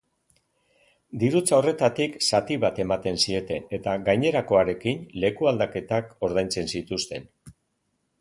Dirutza horretatik zati bat ematen zieten, eta gainerakoarekin lekualdaketak ordaintzen zituzten.